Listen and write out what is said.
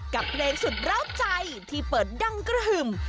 กับเพลงสุดร้าวใจที่เปิดดังกระหึ่ม